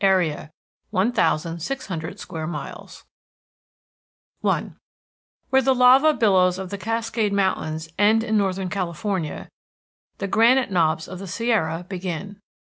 AREA, 1,600 SQUARE MILES I Where the lava billows of the Cascade Mountains end in northern California the granite knobs of the Sierra begin.